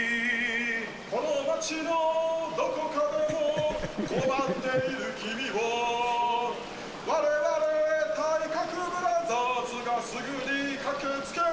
この街のどこかでも困っている君をー、われわれ体格ブラザーズがすぐに駆けつける。